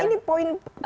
nah ini poin khusus